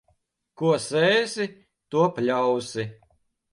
Ko sēsi, to pļausi.